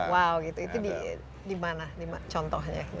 wow gitu itu di mana contohnya